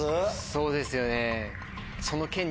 そうですよね。